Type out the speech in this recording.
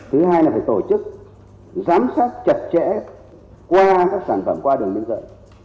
thứ hai là phải tổ chức giám sát chặt chẽ qua các sản phẩm qua đường biên giới